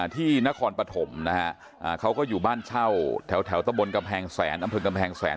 ที่นครปฐมนะฮะเขาก็อยู่บ้านเช่าแถวตะบนกำแพงแสนอำเภอกำแพงแสน